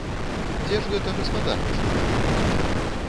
Дзе ж гэта гаспадар ваш малады?